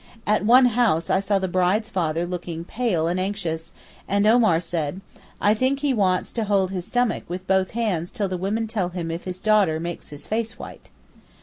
At one house I saw the bride's father looking pale and anxious, and Omar said, 'I think he wants to hold his stomach with both hands till the women tell him if his daughter makes his face white.